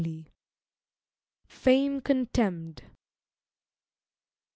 17.] FAME CONTEMNED.